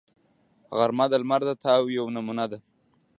غرمه د لمر د تاو یوه نمونه ده